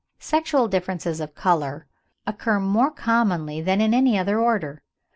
With Ruminants sexual differences of colour occur more commonly than in any other order.